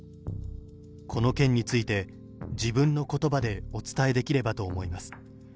この件について、自分のことばでお伝えできればと思います。